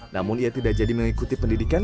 namun ia tidak jadi mengikuti pendidikan